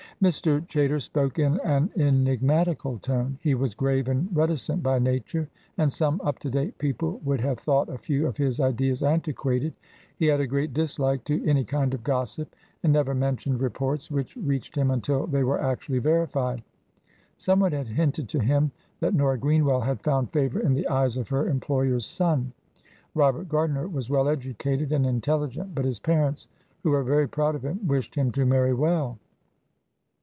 Mr. Chaytor spoke in an enigmatical tone he was grave and reticent by nature, and some up to date people would have thought a few of his ideas antiquated. He had a great dislike to any kind of gossip, and never mentioned reports which reached him until they were actually verified. Some one had hinted to him that Nora Greenwell had found favour in the eyes of her employer's son. Robert Gardiner was well educated and intelligent, but his parents, who were very proud of him, wished him to marry well.